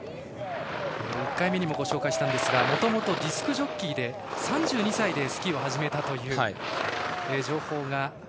１回目にもご紹介しましたがもともとディスクジョッキーで３２歳でスキーを始めたという情報が。